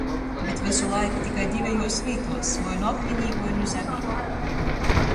Bet vysu laiku tikai divejuos vītuos — voi nu akminī, voi nu zemē.